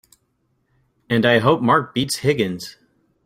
And I hope Mark beats Higgins!